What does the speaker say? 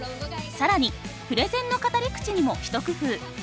更にプレゼンの語り口にも一工夫。